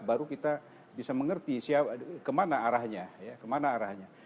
baru kita bisa mengerti kemana arahnya